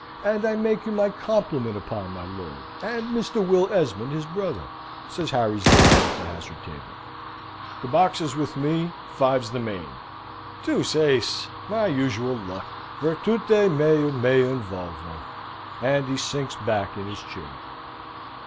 And I make you my compliment upon my lord, and Mr. Will Esmond, his brother," says Harry's neighbour at the hazard table. "The box is with me. Five's the main! Deuce Ace! my usual luck. Virtute mea me involvo!" and he sinks back in his chair.